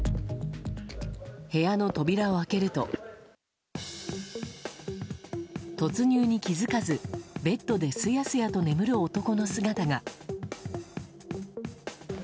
部屋の扉を開けると突入に気づかず、ベッドですやすやと眠る男の姿が。